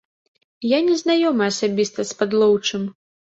Я не знаёмы асабіста з падлоўчым.